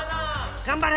頑張れ！